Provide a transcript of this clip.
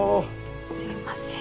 すいません。